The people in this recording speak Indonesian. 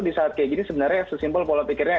di saat kayak gini sebenarnya sesimpel pola pikirnya